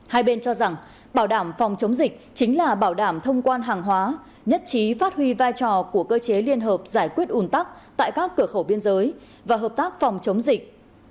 hai bên cho rằng bảo đảm phòng chống dịch chính là bảo đảm thông quan hàng hóa nhất trí phát huy vai trò của cơ chế liên hợp giải quyết ủn tắc tại các cửa khẩu biên giới và hợp tác phòng chống dịch